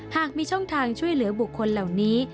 หากมีช่องทางช่วยเหลือบุคคลเหล่านี้